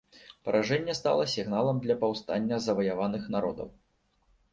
Паражэнне стала сігналам для паўстання заваяваных народаў.